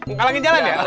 ngalangin jalan ya